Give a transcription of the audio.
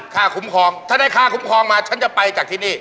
ค่าคุ้มครองถ้าได้ค่าคุ้มครองมาฉันจะไปจากที่นี่